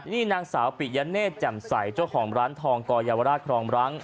นี่นางสาวปิยะเนธแจ่มใสเจ้าของร้านทองกอเยาวราชครองรัง